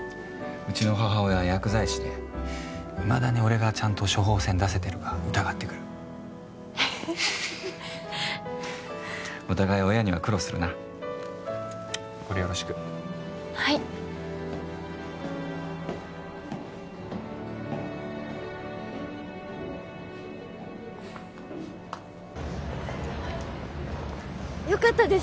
うちの母親薬剤師でいまだに俺がちゃんと処方せん出せてるか疑ってくるお互い親には苦労するなこれよろしくはいよかったです